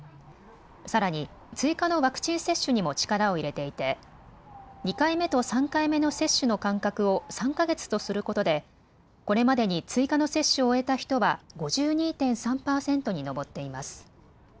さらに追加のワクチン接種にも力を入れていて２回目と３回目の接種の間隔を３か月とすることでこれまでに追加の接種を終えた人は、５２．３％に上っています。